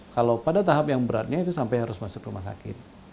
kalau pada tahap yang beratnya itu sampai harus masuk rumah sakit